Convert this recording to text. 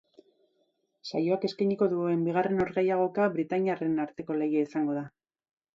Saioak eskainiko duen bigarren norgehiagoka britainiarren arteko lehia izango da.